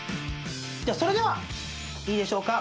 それではいいでしょうか？